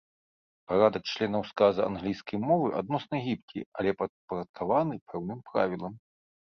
Парадак членаў сказа англійскай мовы адносна гібкі, але падпарадкаваны пэўным правілам.